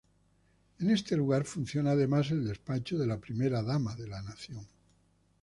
En este lugar funciona además el Despacho de la Primera Dama de la Nación.